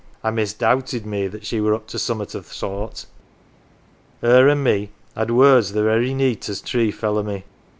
"I misdoubted me that she were up to summat o' th' sort. Her an' me had words the very neet as tree fell o' me.